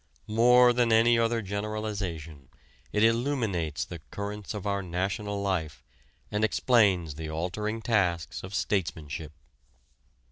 More than any other generalization it illuminates the currents of our national life and explains the altering tasks of statesmanship.